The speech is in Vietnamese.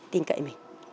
tin cậy mình